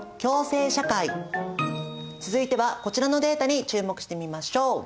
続いてはこちらのデータに注目してみましょう。